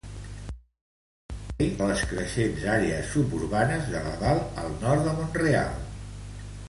Dona servei a les creixents àrees suburbanes de Laval, al nord de Mont-real.